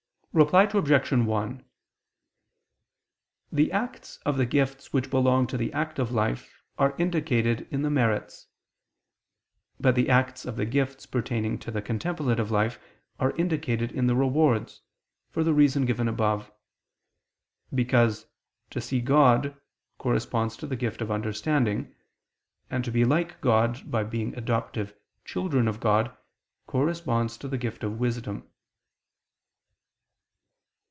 Reply Obj. 1: The acts of the gifts which belong to the active life are indicated in the merits: but the acts of the gifts pertaining to the contemplative life are indicated in the rewards, for the reason given above. Because to "see God" corresponds to the gift of understanding; and to be like God by being adoptive "children of God," corresponds to the gift of wisdom.